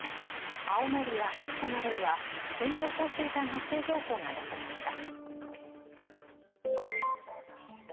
青森や秋田などには線状降雨帯発生情報が出されました。